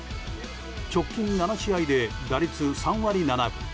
直近７試合で打率３割７分。